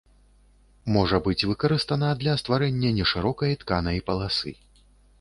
Можа быць выкарыстана для стварэння нешырокай тканай паласы.